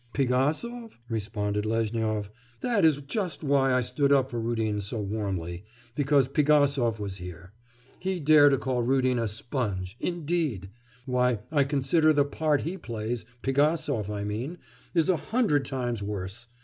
'Pigasov?' responded Lezhnyov. 'That was just why I stood up for Rudin so warmly, because Pigasov was here. He dare to call Rudin a sponge indeed! Why, I consider the part he plays Pigasov I mean is a hundred times worse!